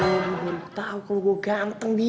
gue kaget gue udah tahu kok gue ganteng bi